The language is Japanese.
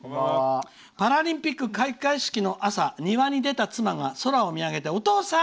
パラリンピック開会式の朝庭に出た妻が空を見上げて、お父さん！